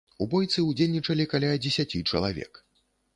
У бойцы ўдзельнічалі каля дзесяці чалавек.